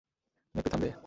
তুমি একটু থামবে।